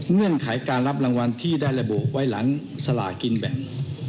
เงื่อนไขการรับรางวัลที่ได้ระบุไว้หลังสลากินแบ่ง